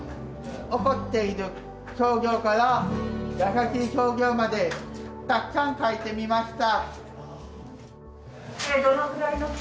怒っている表情から優しい表情までたくさん描いてみました。